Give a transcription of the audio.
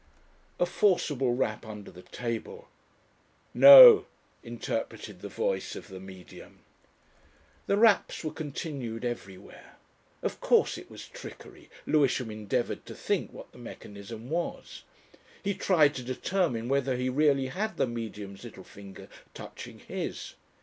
A forcible rap under the table. "No!" interpreted the voice of the Medium. The raps were continued everywhere. Of course it was trickery, Lewisham endeavoured to think what the mechanism was. He tried to determine whether he really had the Medium's little finger touching his.